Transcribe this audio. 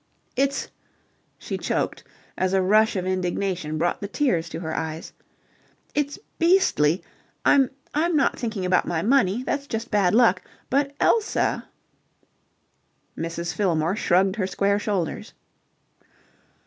"It's..." She choked, as a rush of indignation brought the tears to her eyes. "It's... beastly! I'm... I'm not thinking about my money. That's just bad luck. But Elsa..." Mrs. Fillmore shrugged her square shoulders.